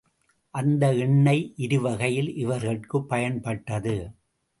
அந்த எண்ணெய் இருவகையில் இவர்கட்குப் பயன்பட்டது.